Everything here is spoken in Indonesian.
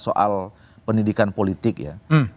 soal pendidikan politik ya